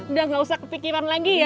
udah gak usah kepikiran lagi ya